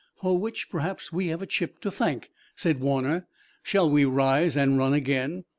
"For which, perhaps, we have a chip to thank," said Warner. "Shall we rise and run again?"